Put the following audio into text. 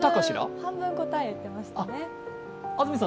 半分、答え言ってましたね。